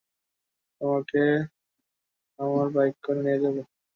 তোমাকে আমার বাইকে করে নিয়ে যাব।